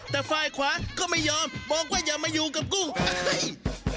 แต่ฝ่ายขวาก็ไม่ยอมบอกว่าอย่ามาอยู่กับกุ้งเอ้ย